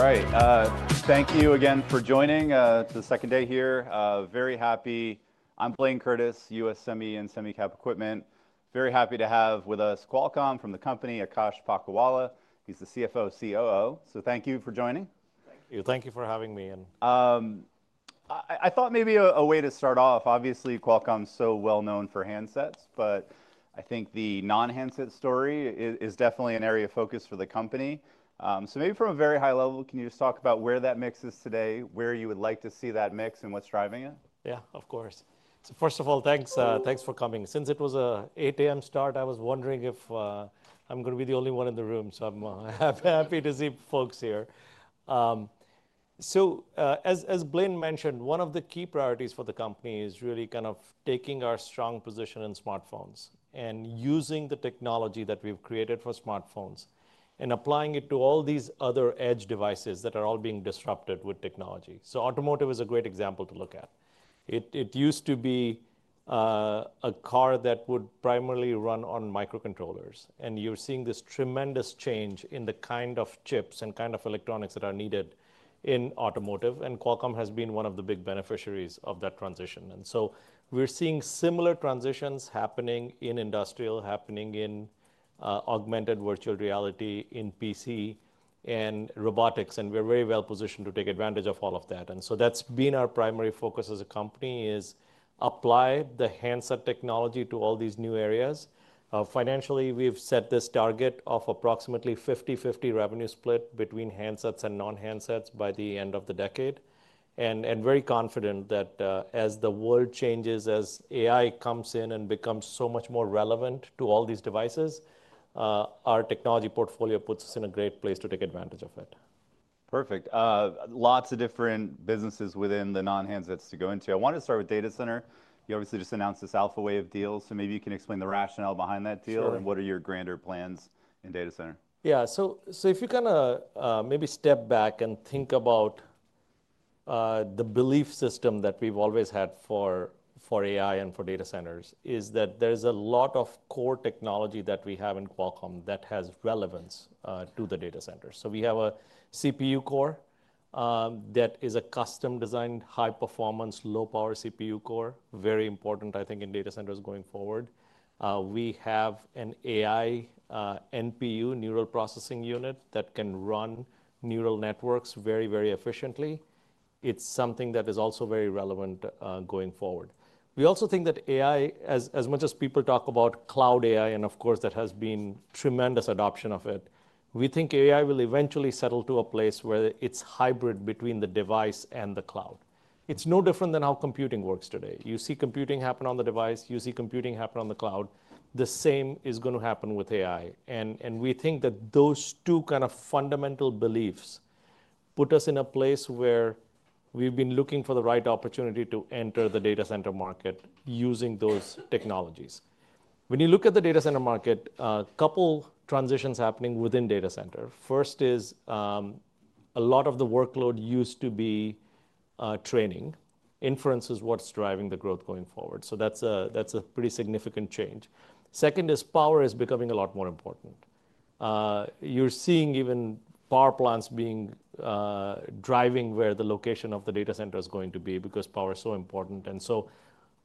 All right. Thank you again for joining. It's the second day here. Very happy I'm Blayne Curtis, U.S. Semi and Semi-Cap Equipment. Very happy to have with us Qualcomm from the company, Akash Palkhiwala. He's the CFO-COO. So thank you for joining. Thank you. Thank you for having me. I thought maybe a way to start off, obviously Qualcomm is so well known for handsets, but I think the non-handset story is definitely an area of focus for the company. Maybe from a very high level, can you just talk about where that mix is today, where you would like to see that mix, and what's driving it? Yeah, of course. First of all, thanks for coming. Since it was an 8:00 A.M. start, I was wondering if I was going to be the only one in the room. I am happy to see folks here. As Blayne mentioned, one of the key priorities for the company is really kind of taking our strong position in smartphones and using the technology that we have created for smartphones and applying it to all these other edge devices that are all being disrupted with technology. Automotive is a great example to look at. It used to be a car that would primarily run on microcontrollers. You are seeing this tremendous change in the kind of chips and kind of electronics that are needed in automotive. Qualcomm has been one of the big beneficiaries of that transition. We're seeing similar transitions happening in industrial, happening in augmented virtual reality, in PC, and robotics. We're very well positioned to take advantage of all of that. That's been our primary focus as a company, to apply the handset technology to all these new areas. Financially, we've set this target of approximately 50/50 revenue split between handsets and non-handsets by the end of the decade. We're very confident that as the world changes, as AI comes in and becomes so much more relevant to all these devices, our technology portfolio puts us in a great place to take advantage of it. Perfect. Lots of different businesses within the non-handsets to go into. I want to start with data center. You obviously just announced this Alphawave deal. Maybe you can explain the rationale behind that deal and what are your grander plans in data center? Yeah. If you kind of maybe step back and think about the belief system that we've always had for AI and for data centers, there is a lot of core technology that we have in Qualcomm that has relevance to the data centers. We have a CPU core that is a custom-designed, high-performance, low-power CPU core, very important, I think, in data centers going forward. We have an AI NPU, neural processing unit, that can run neural networks very, very efficiently. It's something that is also very relevant going forward. We also think that AI, as much as people talk about cloud AI, and of course, there has been tremendous adoption of it, we think AI will eventually settle to a place where it's hybrid between the device and the cloud. It's no different than how computing works today. You see computing happen on the device. You see computing happen on the cloud. The same is going to happen with AI. We think that those two kind of fundamental beliefs put us in a place where we've been looking for the right opportunity to enter the data center market using those technologies. When you look at the data center market, a couple of transitions happening within data center. First is a lot of the workload used to be training. Inference is what's driving the growth going forward. That's a pretty significant change. Second is power is becoming a lot more important. You're seeing even power plants being driving where the location of the data center is going to be because power is so important.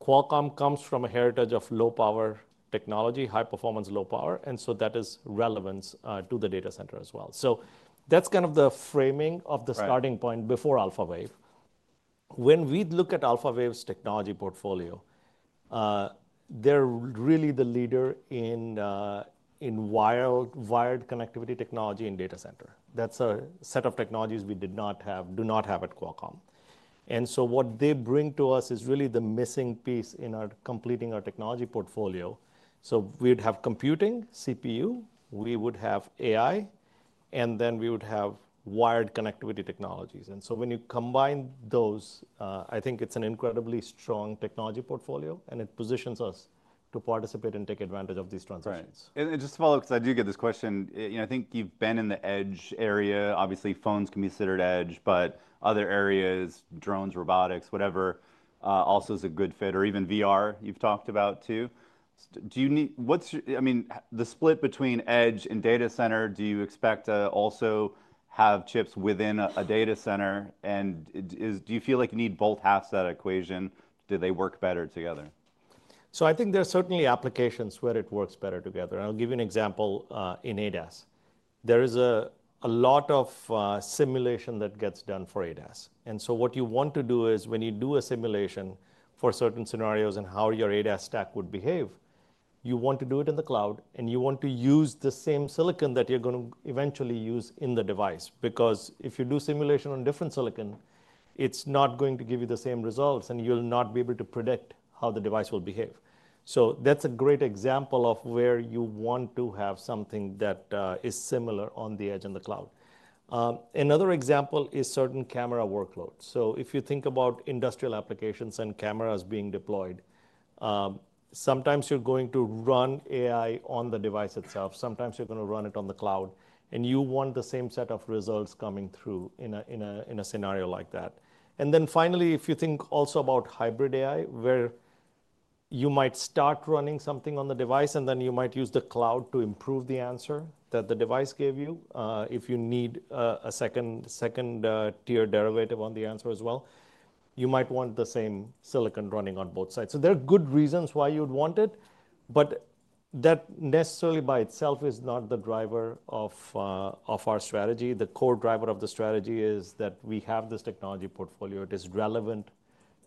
Qualcomm comes from a heritage of low-power technology, high-performance, low-power. That is relevance to the data center as well. That's kind of the framing of the starting point before Alphawave. When we look at Alphawave's technology portfolio, they're really the leader in wired connectivity technology in data center. That's a set of technologies we did not have, do not have at Qualcomm. What they bring to us is really the missing piece in completing our technology portfolio. We'd have computing, CPU. We would have AI. We would have wired connectivity technologies. When you combine those, I think it's an incredibly strong technology portfolio. It positions us to participate and take advantage of these transitions. Just to follow up, because I do get this question, I think you've been in the edge area. Obviously, phones can be considered edge, but other areas, drones, robotics, whatever, also is a good fit. Even VR, you've talked about, too. I mean, the split between edge and data center, do you expect to also have chips within a data center? Do you feel like you need both halves of that equation? Do they work better together? I think there are certainly applications where it works better together. I'll give you an example in ADAS. There is a lot of simulation that gets done for ADAS. What you want to do is when you do a simulation for certain scenarios and how your ADAS stack would behave, you want to do it in the cloud. You want to use the same silicon that you're going to eventually use in the device. Because if you do simulation on different silicon, it's not going to give you the same results. You'll not be able to predict how the device will behave. That's a great example of where you want to have something that is similar on the edge and the cloud. Another example is certain camera workloads. If you think about industrial applications and cameras being deployed, sometimes you're going to run AI on the device itself. Sometimes you're going to run it on the cloud. You want the same set of results coming through in a scenario like that. Finally, if you think also about hybrid AI, where you might start running something on the device, and then you might use the cloud to improve the answer that the device gave you. If you need a second tier derivative on the answer as well, you might want the same silicon running on both sides. There are good reasons why you'd want it. That necessarily by itself is not the driver of our strategy. The core driver of the strategy is that we have this technology portfolio. It is relevant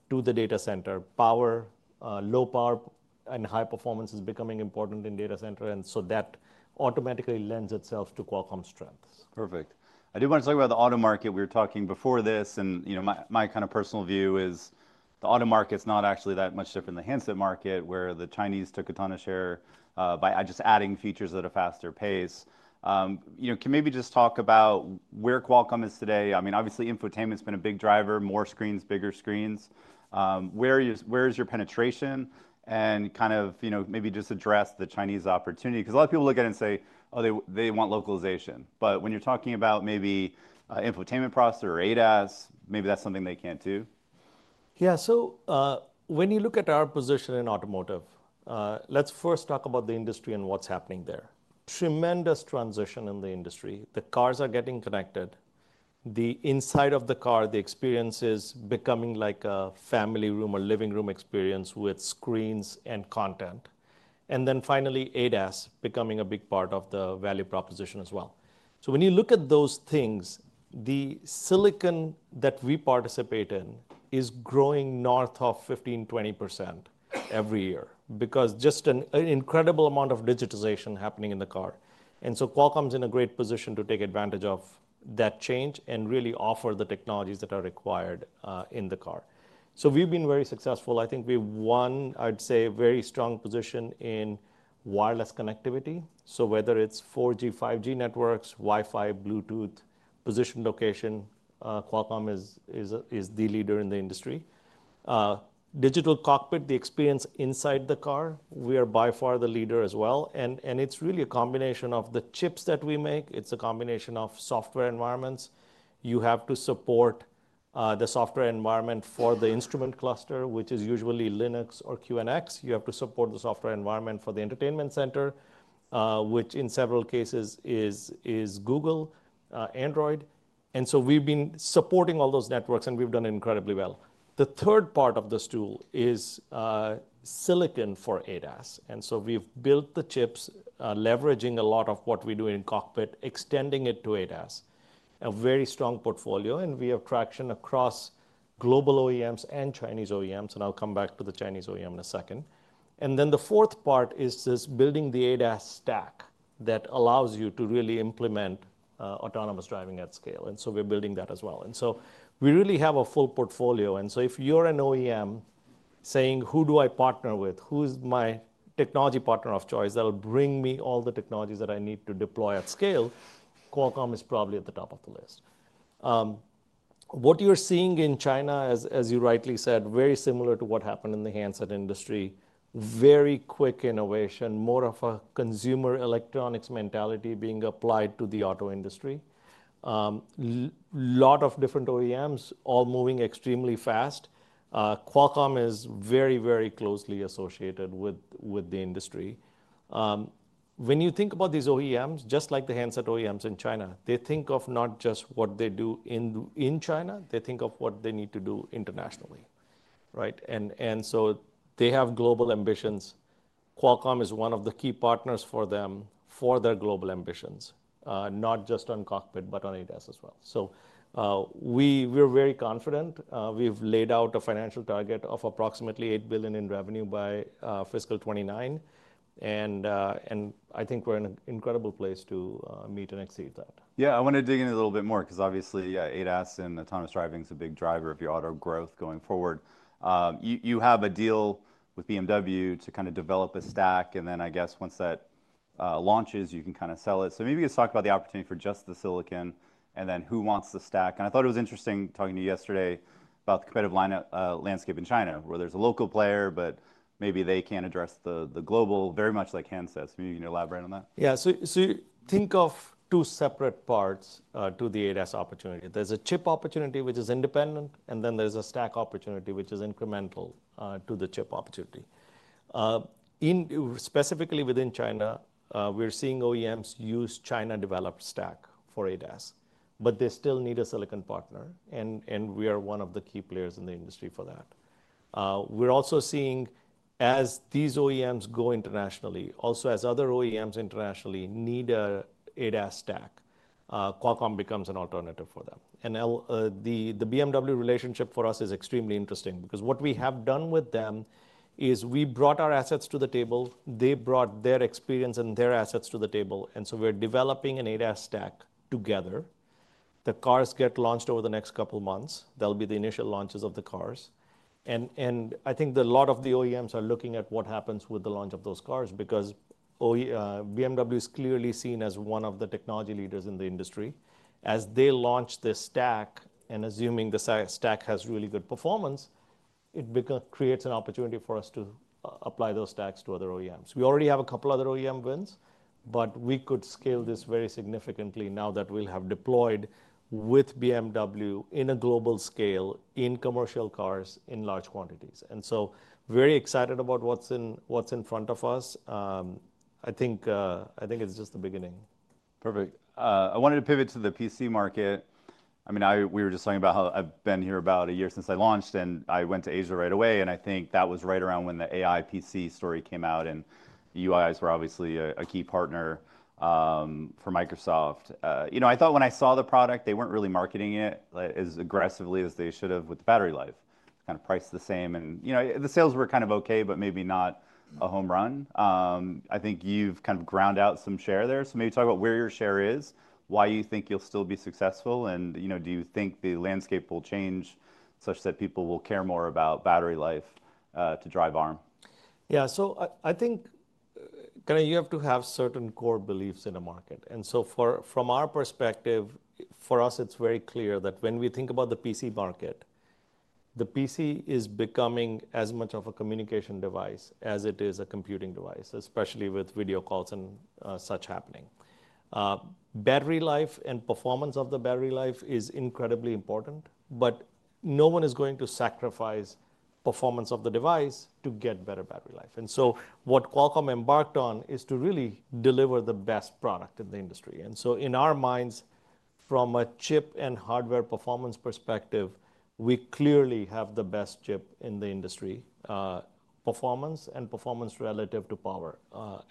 to the data center. Power, low power, and high performance is becoming important in data center. That automatically lends itself to Qualcomm's strengths. Perfect. I do want to talk about the auto market. We were talking before this. And my kind of personal view is the auto market's not actually that much different than the handset market, where the Chinese took a ton of share by just adding features at a faster pace. Can maybe just talk about where Qualcomm is today? I mean, obviously, infotainment's been a big driver, more screens, bigger screens. Where is your penetration? And kind of maybe just address the Chinese opportunity. Because a lot of people look at it and say, oh, they want localization. But when you're talking about maybe infotainment processor or ADAS, maybe that's something they can't do. Yeah. When you look at our position in automotive, let's first talk about the industry and what's happening there. Tremendous transition in the industry. The cars are getting connected. The inside of the car, the experience is becoming like a family room, a living room experience with screens and content. Finally, ADAS becoming a big part of the value proposition as well. When you look at those things, the silicon that we participate in is growing north of 15%-20% every year because just an incredible amount of digitization happening in the car. Qualcomm's in a great position to take advantage of that change and really offer the technologies that are required in the car. We've been very successful. I think we've won, I'd say, a very strong position in wireless connectivity. Whether it is 4G, 5G networks, Wi-Fi, Bluetooth, position, location, Qualcomm is the leader in the industry. Digital cockpit, the experience inside the car, we are by far the leader as well. It is really a combination of the chips that we make. It is a combination of software environments. You have to support the software environment for the instrument cluster, which is usually Linux or QNX. You have to support the software environment for the entertainment center, which in several cases is Google, Android. We have been supporting all those networks. We have done incredibly well. The third part of this tool is silicon for ADAS. We have built the chips, leveraging a lot of what we do in cockpit, extending it to ADAS. A very strong portfolio. We have traction across global OEMs and Chinese OEMs. I'll come back to the Chinese OEM in a second. The fourth part is just building the ADAS stack that allows you to really implement autonomous driving at scale. We're building that as well. We really have a full portfolio. If you're an OEM saying, who do I partner with? Who's my technology partner of choice that will bring me all the technologies that I need to deploy at scale, Qualcomm is probably at the top of the list. What you're seeing in China, as you rightly said, is very similar to what happened in the handset industry, very quick innovation, more of a consumer electronics mentality being applied to the auto industry. A lot of different OEMs all moving extremely fast. Qualcomm is very, very closely associated with the industry. When you think about these OEMs, just like the handset OEMs in China, they think of not just what they do in China. They think of what they need to do internationally. They have global ambitions. Qualcomm is one of the key partners for them for their global ambitions, not just on cockpit, but on ADAS as well. We are very confident. We have laid out a financial target of approximately $8 billion in revenue by fiscal 2029. I think we are in an incredible place to meet and exceed that. Yeah. I want to dig in a little bit more because obviously, ADAS and autonomous driving is a big driver of your auto growth going forward. You have a deal with BMW to kind of develop a stack. I guess once that launches, you can kind of sell it. Maybe you could talk about the opportunity for just the silicon and then who wants the stack. I thought it was interesting talking to you yesterday about the competitive landscape in China, where there's a local player, but maybe they can't address the global, very much like handsets. Maybe you can elaborate on that. Yeah. Think of two separate parts to the ADAS opportunity. There is a chip opportunity, which is independent. There is a stack opportunity, which is incremental to the chip opportunity. Specifically within China, we are seeing OEMs use China-developed stack for ADAS. They still need a silicon partner, and we are one of the key players in the industry for that. We are also seeing, as these OEMs go internationally, also as other OEMs internationally need an ADAS stack, Qualcomm becomes an alternative for them. The BMW relationship for us is extremely interesting because what we have done with them is we brought our assets to the table. They brought their experience and their assets to the table. We are developing an ADAS stack together. The cars get launched over the next couple of months. There will be the initial launches of the cars. I think a lot of the OEMs are looking at what happens with the launch of those cars because BMW is clearly seen as one of the technology leaders in the industry. As they launch this stack, and assuming the stack has really good performance, it creates an opportunity for us to apply those stacks to other OEMs. We already have a couple of other OEM wins. We could scale this very significantly now that we will have deployed with BMW on a global scale in commercial cars in large quantities. I am very excited about what is in front of us. I think it is just the beginning. Perfect. I wanted to pivot to the PC market. I mean, we were just talking about how I've been here about a year since I launched. I went to Asia right away. I think that was right around when the AI PC story came out. UIs were obviously a key partner for Microsoft. I thought when I saw the product, they were not really marketing it as aggressively as they should have with the battery life. Kind of priced the same. The sales were kind of OK, but maybe not a home run. I think you have kind of ground out some share there. Maybe talk about where your share is, why you think you will still be successful. Do you think the landscape will change such that people will care more about battery life to drive ARM? Yeah. So I think you have to have certain core beliefs in a market. And so from our perspective, for us, it's very clear that when we think about the PC market, the PC is becoming as much of a communication device as it is a computing device, especially with video calls and such happening. Battery life and performance of the battery life is incredibly important. But no one is going to sacrifice performance of the device to get better battery life. And so what Qualcomm embarked on is to really deliver the best product in the industry. And so in our minds, from a chip and hardware performance perspective, we clearly have the best chip in the industry, performance and performance relative to power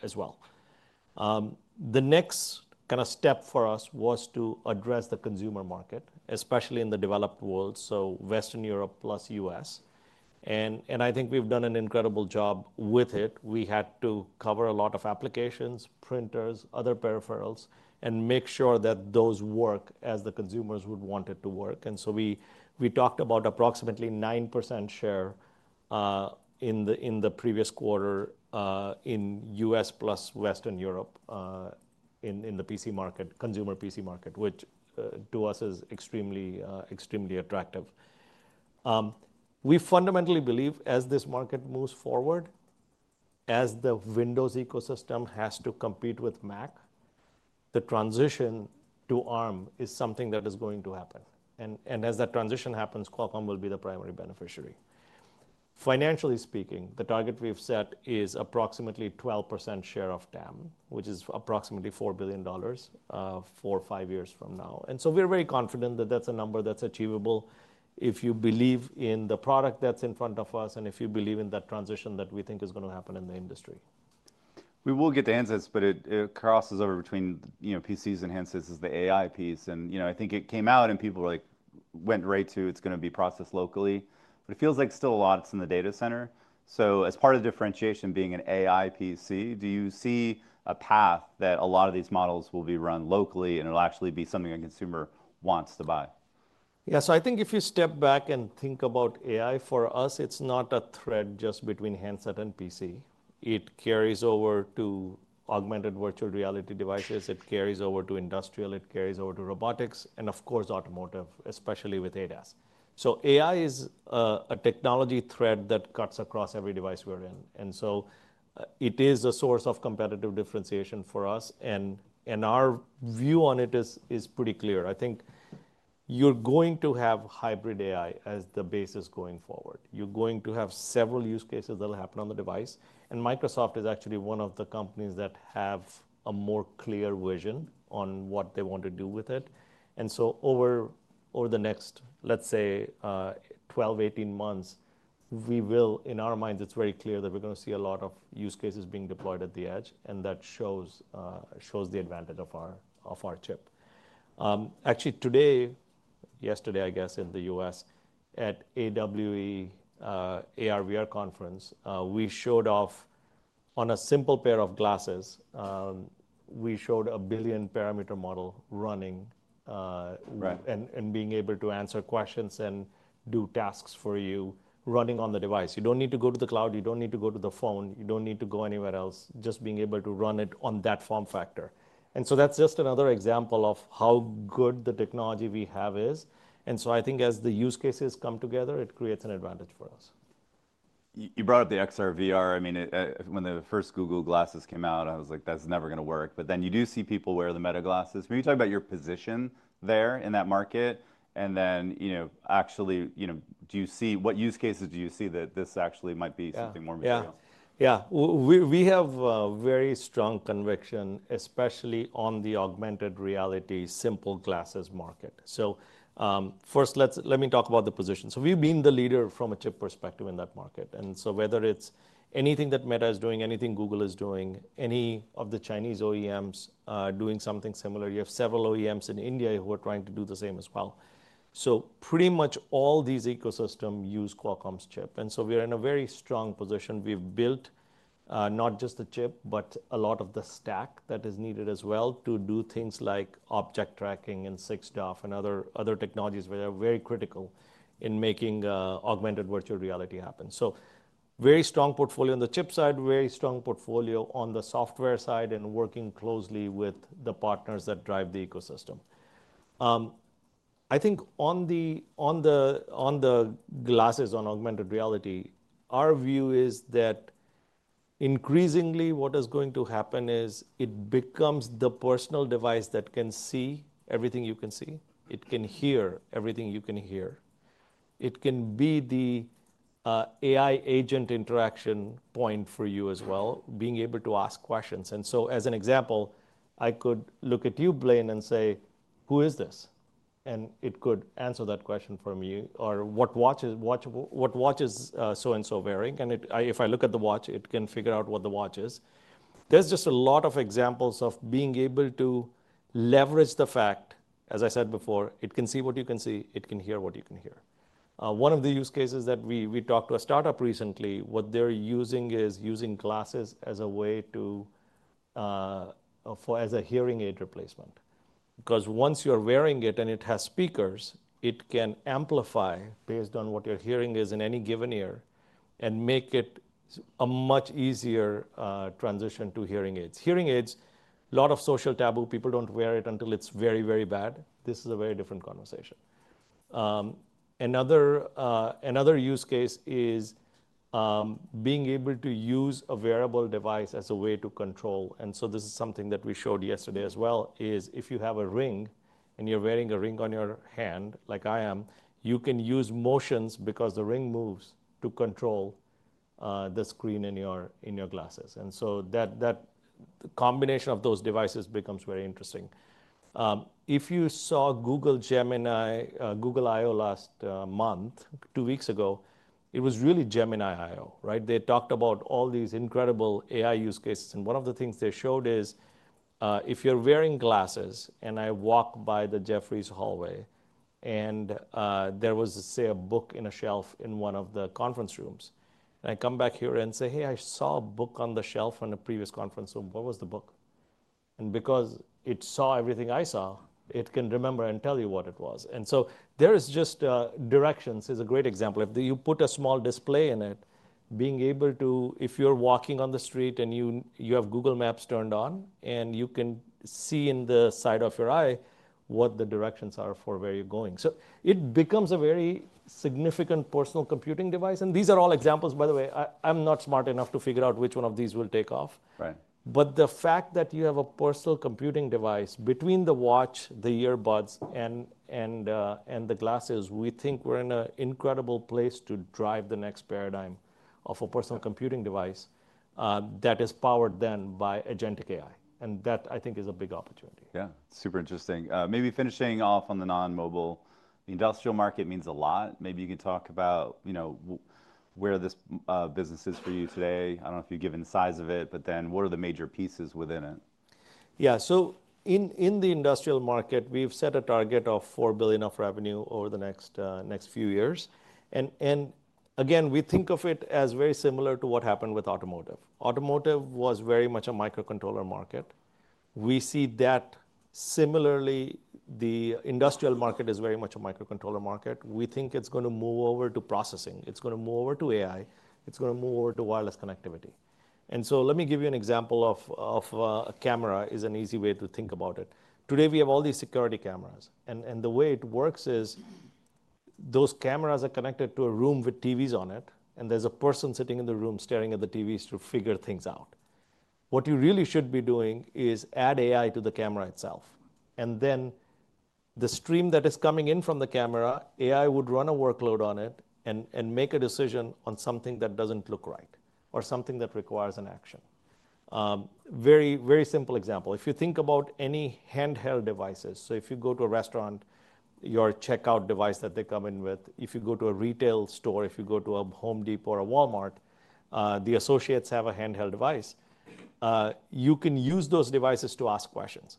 as well. The next kind of step for us was to address the consumer market, especially in the developed world, so Western Europe plus U.S. I think we've done an incredible job with it. We had to cover a lot of applications, printers, other peripherals, and make sure that those work as the consumers would want it to work. We talked about approximately 9% share in the previous quarter in the U.S. plus Western Europe in the PC market, consumer PC market, which to us is extremely attractive. We fundamentally believe as this market moves forward, as the Windows ecosystem has to compete with Mac, the transition to ARM is something that is going to happen. As that transition happens, Qualcomm will be the primary beneficiary. Financially speaking, the target we've set is approximately 12% share of TAM, which is approximately $4 billion four, five years from now. We're very confident that that's a number that's achievable if you believe in the product that's in front of us and if you believe in that transition that we think is going to happen in the industry. We will get to handsets. It crosses over between PCs and handsets is the AI piece. I think it came out. People went right to it's going to be processed locally. It feels like still a lot is in the data center. As part of the differentiation being an AI PC, do you see a path that a lot of these models will be run locally and it'll actually be something a consumer wants to buy? Yeah. I think if you step back and think about AI, for us, it's not a thread just between handset and PC. It carries over to augmented virtual reality devices. It carries over to industrial. It carries over to robotics and, of course, automotive, especially with ADAS. AI is a technology thread that cuts across every device we're in. It is a source of competitive differentiation for us. Our view on it is pretty clear. I think you're going to have hybrid AI as the basis going forward. You're going to have several use cases that'll happen on the device. Microsoft is actually one of the companies that have a more clear vision on what they want to do with it. Over the next, let's say, 12-18 months, we will, in our minds, it's very clear that we're going to see a lot of use cases being deployed at the edge. That shows the advantage of our chip. Actually, today, yesterday, I guess, in the U.S., at AWE AR/VR conference, we showed off on a simple pair of glasses, we showed a billion parameter model running and being able to answer questions and do tasks for you running on the device. You don't need to go to the cloud. You don't need to go to the phone. You don't need to go anywhere else, just being able to run it on that form factor. That is just another example of how good the technology we have is. I think as the use cases come together, it creates an advantage for us. You brought up the XR/VR. I mean, when the first Google glasses came out, I was like, that's never going to work. But then you do see people wear the Meta glasses. Can you talk about your position there in that market? And then actually, do you see what use cases do you see that this actually might be something more material? Yeah. Yeah. We have a very strong conviction, especially on the augmented reality simple glasses market. First, let me talk about the position. We've been the leader from a chip perspective in that market. Whether it's anything that Meta is doing, anything Google is doing, any of the Chinese OEMs doing something similar, you have several OEMs in India who are trying to do the same as well. Pretty much all these ecosystems use Qualcomm's chip. We are in a very strong position. We've built not just the chip, but a lot of the stack that is needed as well to do things like object tracking and 6DoF and other technologies that are very critical in making augmented virtual reality happen. Very strong portfolio on the chip side, very strong portfolio on the software side, and working closely with the partners that drive the ecosystem. I think on the glasses, on augmented reality, our view is that increasingly what is going to happen is it becomes the personal device that can see everything you can see. It can hear everything you can hear. It can be the AI agent interaction point for you as well, being able to ask questions. As an example, I could look at you, Blayne, and say, who is this? It could answer that question for me. Or what watch is so-and-so wearing? If I look at the watch, it can figure out what the watch is. There are just a lot of examples of being able to leverage the fact, as I said before, it can see what you can see. It can hear what you can hear. One of the use cases that we talked to a startup recently, what they're using is using glasses as a way for a hearing aid replacement. Because once you're wearing it and it has speakers, it can amplify based on what your hearing is in any given ear and make it a much easier transition to hearing aids. Hearing aids, a lot of social taboo. People don't wear it until it's very, very bad. This is a very different conversation. Another use case is being able to use a wearable device as a way to control. This is something that we showed yesterday as well, is if you have a ring and you're wearing a ring on your hand, like I am, you can use motions because the ring moves to control the screen in your glasses. That combination of those devices becomes very interesting. If you saw Google I/O last month, two weeks ago, it was really Gemini I/O. They talked about all these incredible AI use cases. One of the things they showed is if you're wearing glasses and I walk by the Jefferies hallway and there was, say, a book in a shelf in one of the conference rooms, and I come back here and say, hey, I saw a book on the shelf on a previous conference room. What was the book? Because it saw everything I saw, it can remember and tell you what it was. Directions is a great example. If you put a small display in it, being able to, if you're walking on the street and you have Google Maps turned on, and you can see in the side of your eye what the directions are for where you're going. It becomes a very significant personal computing device. These are all examples, by the way. I'm not smart enough to figure out which one of these will take off. The fact that you have a personal computing device between the watch, the earbuds, and the glasses, we think we're in an incredible place to drive the next paradigm of a personal computing device that is powered then by agentic AI. That, I think, is a big opportunity. Yeah. Super interesting. Maybe finishing off on the non-mobile. The industrial market means a lot. Maybe you can talk about where this business is for you today. I do not know if you've given the size of it. But then what are the major pieces within it? Yeah. In the industrial market, we've set a target of $4 billion of revenue over the next few years. Again, we think of it as very similar to what happened with automotive. Automotive was very much a microcontroller market. We see that similarly, the industrial market is very much a microcontroller market. We think it's going to move over to processing. It's going to move over to AI. It's going to move over to wireless connectivity. Let me give you an example of a camera as an easy way to think about it. Today, we have all these security cameras. The way it works is those cameras are connected to a room with TVs on it, and there's a person sitting in the room staring at the TVs to figure things out. What you really should be doing is add AI to the camera itself. The stream that is coming in from the camera, AI would run a workload on it and make a decision on something that does not look right or something that requires an action. Very simple example. If you think about any handheld devices, if you go to a restaurant, your checkout device that they come in with, if you go to a retail store, if you go to a Home Depot or a Walmart, the associates have a handheld device, you can use those devices to ask questions.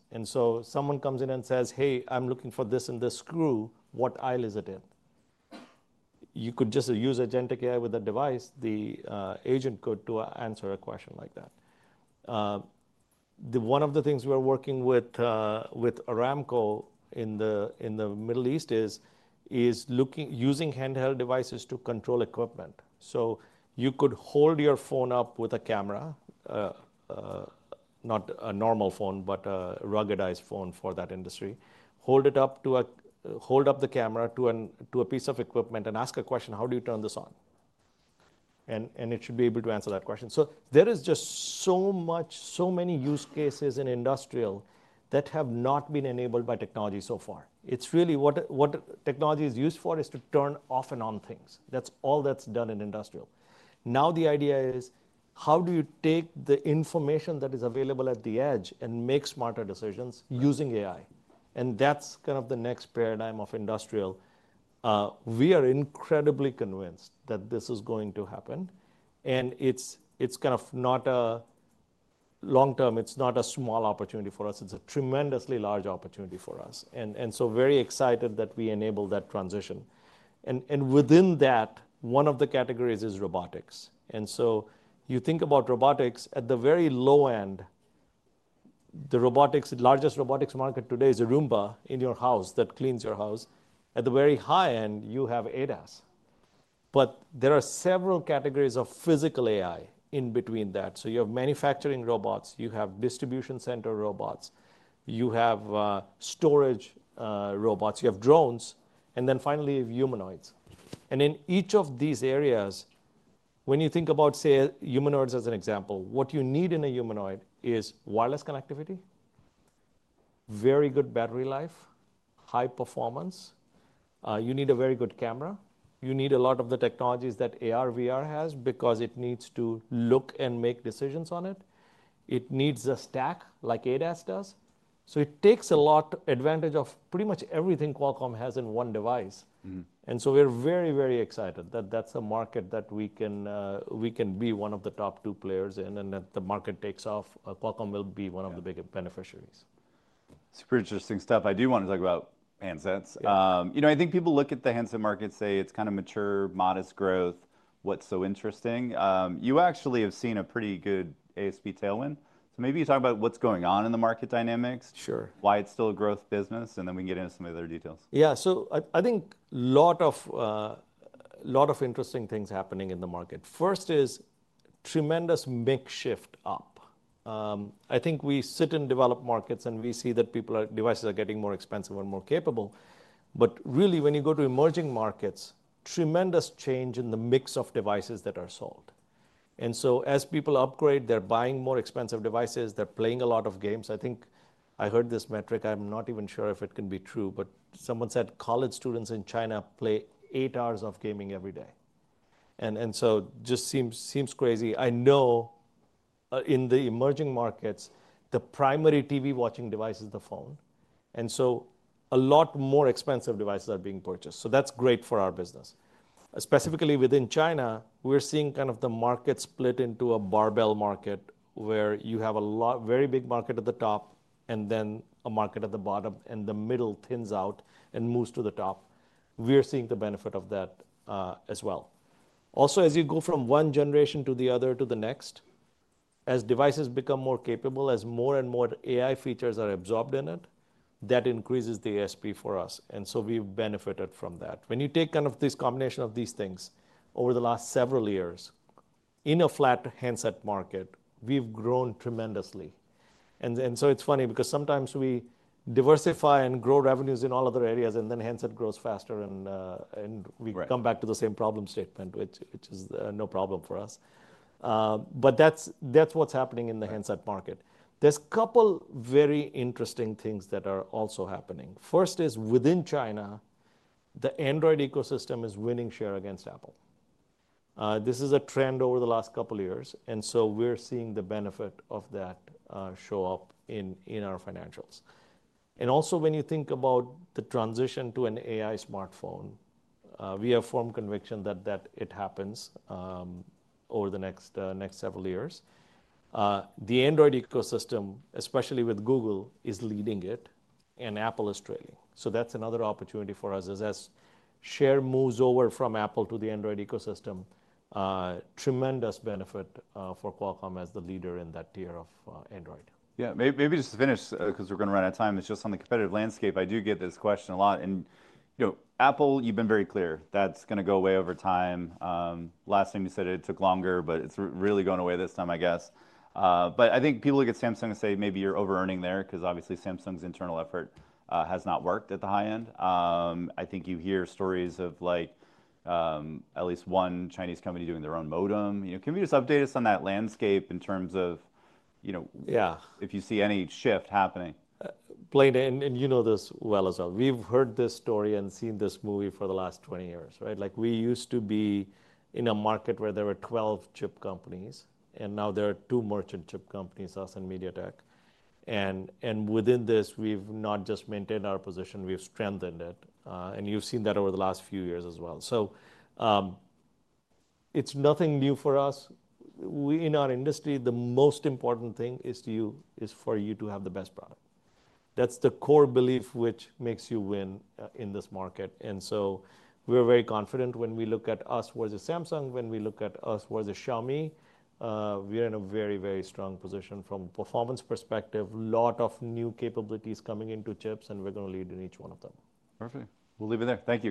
Someone comes in and says, hey, I am looking for this and this screw. What aisle is it in? You could just use agentic AI with a device. The agent could answer a question like that. One of the things we are working with Aramco in the Middle East is using handheld devices to control equipment. You could hold your phone up with a camera, not a normal phone, but a ruggedized phone for that industry, hold it up to the camera to a piece of equipment and ask a question, how do you turn this on? It should be able to answer that question. There are just so many use cases in industrial that have not been enabled by technology so far. It is really what technology is used for, to turn off and on things. That is all that is done in industrial. Now the idea is, how do you take the information that is available at the edge and make smarter decisions using AI? That is kind of the next paradigm of industrial. We are incredibly convinced that this is going to happen. It is kind of not a long term. It is not a small opportunity for us. It's a tremendously large opportunity for us. Very excited that we enabled that transition. Within that, one of the categories is robotics. You think about robotics at the very low end. The largest robotics market today is a Roomba in your house that cleans your house. At the very high end, you have ADAS. There are several categories of physical AI in between that. You have manufacturing robots. You have distribution center robots. You have storage robots. You have drones. Finally, you have humanoids. In each of these areas, when you think about, say, humanoids as an example, what you need in a humanoid is wireless connectivity, very good battery life, high performance. You need a very good camera. You need a lot of the technologies that AR/VR has because it needs to look and make decisions on it. It needs a stack like ADAS does. It takes a lot of advantage of pretty much everything Qualcomm has in one device. We are very, very excited that is a market that we can be one of the top two players in. If the market takes off, Qualcomm will be one of the biggest beneficiaries. Super interesting stuff. I do want to talk about handsets. I think people look at the handset market, say it's kind of mature, modest growth. What's so interesting? You actually have seen a pretty good ASP tailwind. Maybe you talk about what's going on in the market dynamics, why it's still a growth business, and then we can get into some of the other details. Yeah. So I think a lot of interesting things happening in the market. First is tremendous mix shift up. I think we sit in developed markets and we see that people are, devices are getting more expensive and more capable. Really, when you go to emerging markets, tremendous change in the mix of devices that are sold. As people upgrade, they're buying more expensive devices. They're playing a lot of games. I think I heard this metric. I'm not even sure if it can be true. Someone said college students in China play eight hours of gaming every day. Just seems crazy. I know in the emerging markets, the primary TV watching device is the phone. A lot more expensive devices are being purchased. That's great for our business. Specifically within China, we're seeing kind of the market split into a barbell market where you have a very big market at the top and then a market at the bottom. The middle thins out and moves to the top. We are seeing the benefit of that as well. Also, as you go from one generation to the other to the next, as devices become more capable, as more and more AI features are absorbed in it, that increases the ASP for us. We have benefited from that. When you take kind of this combination of these things over the last several years, in a flat handset market, we've grown tremendously. It's funny because sometimes we diversify and grow revenues in all other areas, and then handset grows faster. We come back to the same problem statement, which is no problem for us. That's what's happening in the handset market. There's a couple of very interesting things that are also happening. First is within China, the Android ecosystem is winning share against Apple. This is a trend over the last couple of years. We're seeing the benefit of that show up in our financials. Also, when you think about the transition to an AI smartphone, we have firm conviction that it happens over the next several years. The Android ecosystem, especially with Google, is leading it. Apple is trailing. That's another opportunity for us as share moves over from Apple to the Android ecosystem, tremendous benefit for Qualcomm as the leader in that tier of Android. Yeah. Maybe just to finish, because we're going to run out of time, it's just on the competitive landscape. I do get this question a lot. And Apple, you've been very clear that's going to go away over time. Last thing you said, it took longer. But it's really going away this time, I guess. I think people look at Samsung and say maybe you're over-earning there because obviously Samsung's internal effort has not worked at the high end. I think you hear stories of at least one Chinese company doing their own modem. Can you just update us on that landscape in terms of if you see any shift happening? Blayne, and you know this well as well. We've heard this story and seen this movie for the last 20 years. We used to be in a market where there were 12 chip companies. Now there are two merchant chip companies, us and MediaTek. Within this, we've not just maintained our position. We've strengthened it. You've seen that over the last few years as well. It is nothing new for us. In our industry, the most important thing is for you to have the best product. That is the core belief which makes you win in this market. We are very confident when we look at us versus Samsung, when we look at us versus Xiaomi, we are in a very, very strong position from a performance perspective, a lot of new capabilities coming into chips. We are going to lead in each one of them. Perfect. We'll leave it there. Thank you.